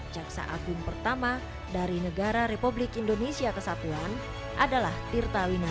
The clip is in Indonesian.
jaksa agung pertama dari negara republik indonesia kesatuan adalah tirta winar